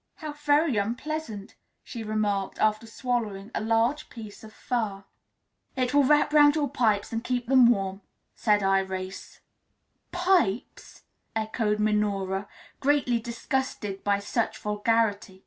"How very unpleasant," she remarked after swallowing a large piece of fur. "It will wrap round your pipes, and keep them warm," said Irais. "Pipes!" echoed Minora, greatly disgusted by such vulgarity.